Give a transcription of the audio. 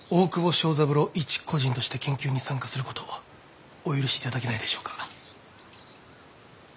昭三郎一個人として研究に参加することお許しいただけないでしょうか？